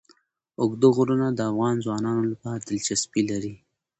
اوږده غرونه د افغان ځوانانو لپاره دلچسپي لري.